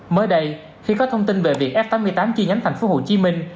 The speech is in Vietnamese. mới đây khi có thông tin về việc f tám mươi tám chi nhánh thành phố hồ chí minh